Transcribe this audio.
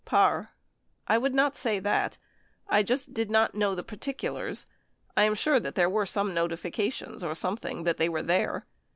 Parr. I would not say that. I just did not know the par ticulars. I am sure that there were some notifications or some thing that they were there.